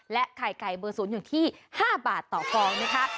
และไข่ไก่เบอร์ศูนย์อยู่ที่๕บาทต่อกองนะคะ